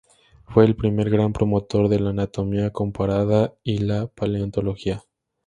Fue el primer gran promotor de la anatomía comparada y de la paleontología.